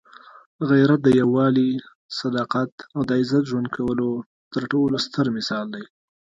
غیرت د یووالي، صداقت او د عزت ژوند کولو تر ټولو ستر مثال دی.